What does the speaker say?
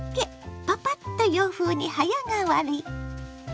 パパッと洋風に早変わり。